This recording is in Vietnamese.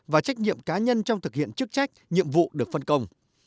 và trách nhiệm cá nhân trong thực hiện chức trách nhiệm vụ được phân công